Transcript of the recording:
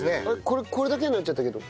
これこれだけになっちゃったけど。